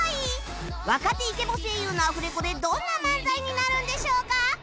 若手イケボ声優のアフレコでどんな漫才になるんでしょうか？